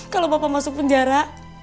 kalau bapak masuk penjara